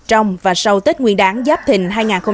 trong và sau tết nguyên đáng giáp thình hai nghìn hai mươi bốn